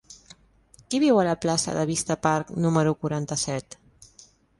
Qui viu a la plaça de Vista Park número quaranta-set?